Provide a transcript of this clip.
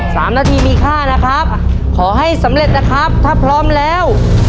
สามนาทีมีค่านะครับขอให้สำเร็จนะครับถ้าพร้อมแล้ว